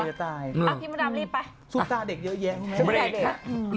สุดท้ายเด็กเยอะแยะ